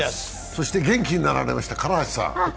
そして元気になられました唐橋さん